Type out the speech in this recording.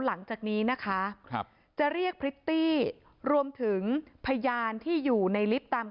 หลังจากนี้นะคะจะเรียกพริตตี้รวมถึงพยานที่อยู่ในลิฟต์ตาม